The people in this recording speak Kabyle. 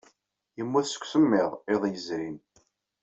Yemmut seg usemmiḍ iḍ yezrin.